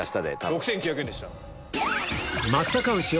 ６９００円でした。